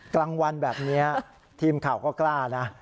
กลางวันแบบนี้ทีมข่าวก็กล้านะ